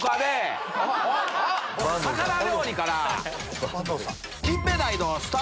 魚料理から。